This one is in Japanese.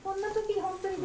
本当に。